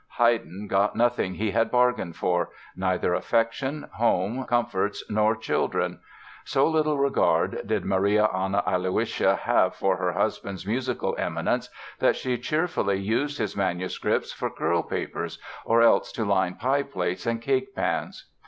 Haydn got nothing he had bargained for—neither affection, home comforts nor children. So little regard did Maria Anna Aloysia have for her husband's musical eminence that she cheerfully used his manuscripts for curl papers or else to line pie plates and cake pans.